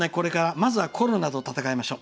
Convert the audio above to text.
まずはコロナと闘いましょう。